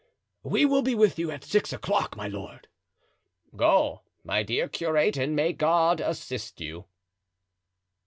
"We will be with you at six o'clock, my lord." "Go, my dear curate, and may God assist you!"